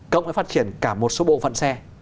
cộng với phát triển cả một số bộ phận xe